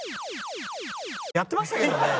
やってましたけどね。